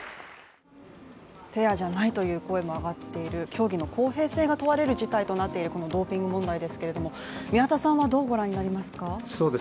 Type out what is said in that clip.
フェアじゃないという声も上がっている競技の公平性が問われる事態となっているこのドーピング問題ですが宮田さんはどうご覧になりますか？